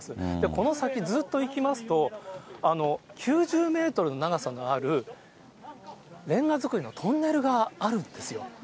この先ずっと行きますと、９０メートルの長さのあるレンガ造りのトンネルがあるんですよ。